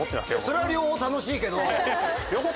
それは両方楽しいけど。